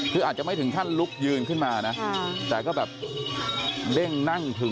คืออาจจะไม่ถึงขั้นลุกยืนขึ้นมานะ